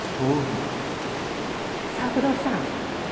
三郎さん。